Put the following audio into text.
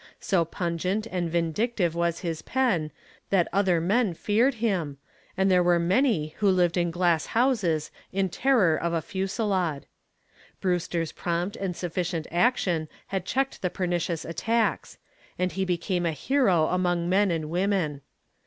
So pungent and vindictive was his pen that other men feared him, and there were many who lived in glass houses in terror of a fusilade. Brewster's prompt and sufficient action had checked the pernicious attacks, and he became a hero among men and women.